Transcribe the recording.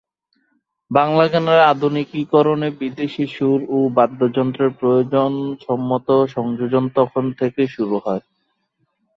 বাংলা গানের আধুনিকীকরণে বিদেশি সুর ও বাদ্যযন্ত্রের প্রয়োজনসম্মত সংযোজন তখন থেকেই শুরু হয়।